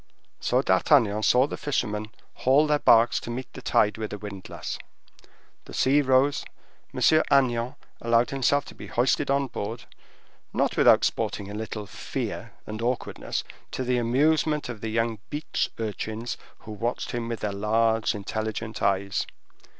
So D'Artagnan saw the fishermen haul their barks to meet the tide with a windlass. The sea rose; M. Agnan allowed himself to be hoisted on board, not without sporting a little fear and awkwardness, to the amusement of the young beach urchins who watched him with their large intelligent eyes.